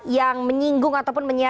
jadi yang satu ke dua